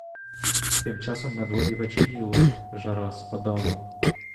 Тим часом надворі вечоріло; жара спадала.